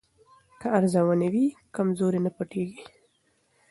که ارزونه وي نو کمزوري نه پټیږي.